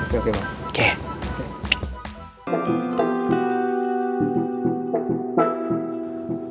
posisi gue beneran gak enak banget